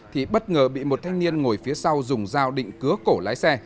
thì bất ngờ bị một thanh niên ngồi phía sau dùng dao định cứa cổ lái xe